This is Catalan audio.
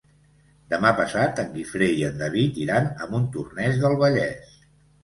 Demà passat en Guifré i en David iran a Montornès del Vallès.